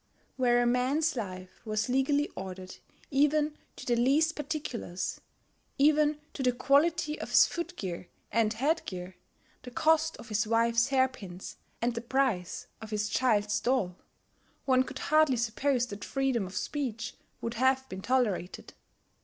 Where a man's life was legally ordered even to the least particulars, even to the quality of his foot gear and head gear, the cost of his wife's hairpins, and the price of his child's doll, one could hardly suppose that freedom of speech would have been tolerated.